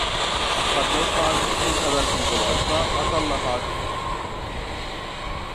قاتناش قائىدىسىدىن خەۋەرسىز بولغاچقا ئاسانلا ھادىسە تۇغدۇرىدۇ.